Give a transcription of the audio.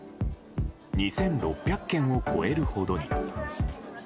２６００件を超えるほどに。